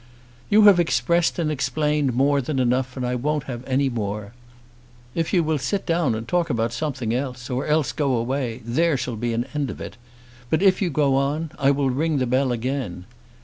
"You have expressed and explained more than enough, and I won't have any more. If you will sit down and talk about something else, or else go away, there shall be an end of it; but if you go on, I will ring the bell again.